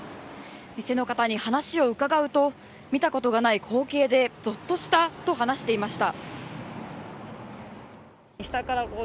店の方に話を伺うと、見たことがない光景で、ぞっとしたと話していました。